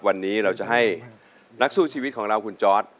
วันนี้เราจะให้นักสู้ชีวิตของเราคุณจอร์ด